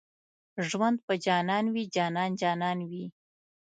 ژوند په جانان وي جانان جانان وي